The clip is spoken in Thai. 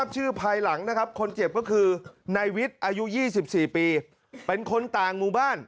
ภายหลังนะครับคนเจ็บก็คือนายวิทย์อายุ๒๔ปีเป็นคนต่างหมู่บ้าน